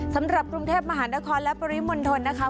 สำหรับกรุงเทพมหานครและปริมณฑลนะคะ